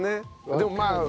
でもまあ。